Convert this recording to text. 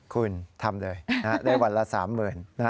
คุณทำเลยได้วันละ๓๐๐๐บาท